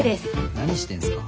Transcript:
何してんすか。